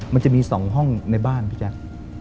มันจะมี๒ห้องในบ้านพี่แจ๊ค